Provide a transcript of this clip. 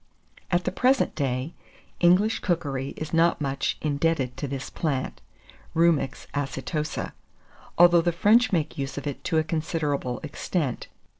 At the present day, English cookery is not much indebted to this plant (Rumex Acetosa), although the French make use of it to a considerable extent.